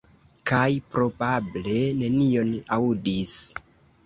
Kaj, probable, nenion aŭdis.